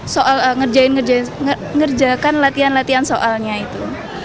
soal ngerjain ngerjakan latihan latihan soalnya itu